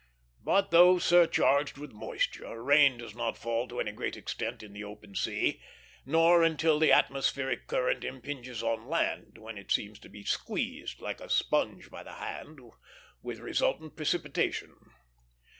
But, though surcharged with moisture, rain does not fall to any great extent in the open sea, nor until the atmospheric current impinges on land, when it seems to be squeezed, like a sponge by the hand, with resultant precipitation.